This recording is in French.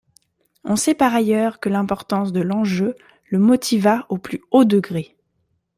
On sait par ailleurs que l'importance de l'enjeu le motiva au plus haut degré.